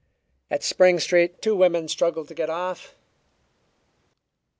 At Spring Street two women struggled to get off.